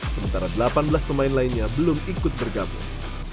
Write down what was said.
sementara delapan belas pemain lainnya belum ikut bergabung